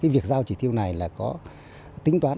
việc giao chỉ tiêu này có tính toán